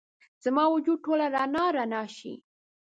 زما وجود ټوله رڼا، رڼا شي